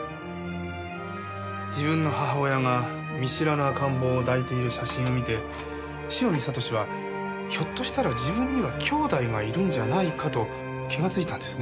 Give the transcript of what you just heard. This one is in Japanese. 自分の母親が見知らぬ赤ん坊を抱いている写真を見て汐見悟志はひょっとしたら自分には兄弟がいるんじゃないかと気がついたんですね。